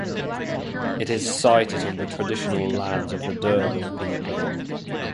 It is sited on the traditional lands of the Dyirbal people.